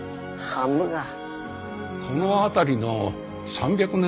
この辺りの３００年